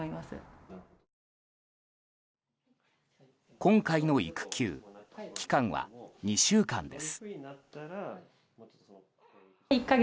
今回の育休期間は２週間です。